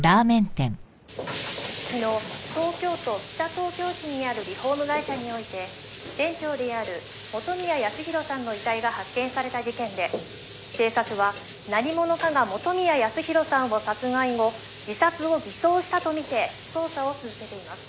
「昨日東京都北東京市にあるリフォーム会社において店長である元宮康宏さんの遺体が発見された事件で警察は何者かが元宮康宏さんを殺害後自殺を偽装したと見て捜査を続けています」